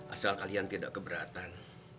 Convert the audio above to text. asal kalian tidak keberatan